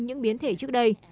những biến thể trước đây